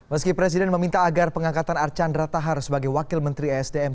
meski presiden meminta agar pengangkatan archandra tahar sebagai wakil menteri esdm